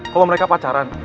kalo mereka pacaran